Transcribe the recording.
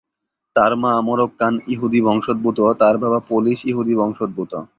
তার মা মরোক্কান-ইহুদি বংশদ্ভুত, তার বাবা পোলিশ-ইহুদি বংশদ্ভুত।